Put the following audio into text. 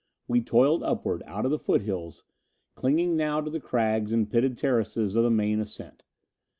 We toiled upward, out of the foothills, clinging now to the crags and pitted terraces of the main ascent.